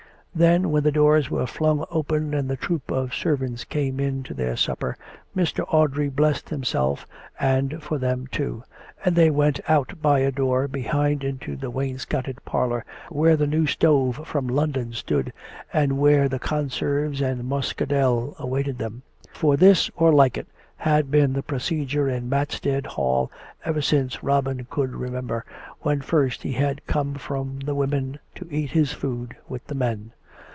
Then, when the doors were flung open and the troop of servants came in to their supper, Mr. Audrey blessed himself, and for them, too; and they went out by a door behind into the wainscoted parlour, where the new stove from London stood, and where the conserves and muscadel awaited them. For this, or like it, had been the procedure in Matstead hall ever since Robin could re member, when first he had come from the women to eat his food with the men.